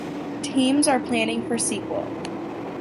Teams are planning for sequel.